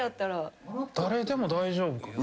誰でも大丈夫かな。